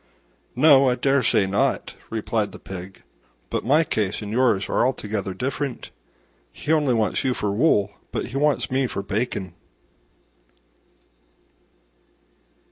"No, I dare say not," replied the Pig, "but my case and yours are altogether different: he only wants you for wool, but he wants me for bacon."